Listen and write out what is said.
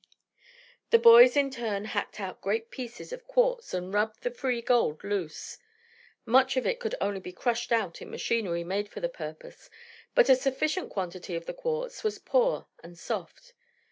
The boys in turn hacked out great pieces of quartz and rubbed the free gold loose. Much of it could only be crushed out in machinery made for the purpose, but a sufficient quantity of the quartz was poor and soft.